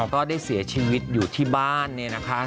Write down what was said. ก็ได้เสียชีวิตอยู่ที่บ้านเนี่ยนะคะ